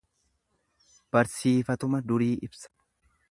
Barsiifatuma durii ibsa.